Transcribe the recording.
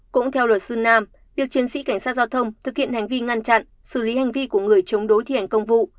cũng theo luật sư nam việc chiến sĩ cảnh sát giao thông thực hiện hành vi ngăn chặn xử lý hành vi của người chống đối thi hành công vụ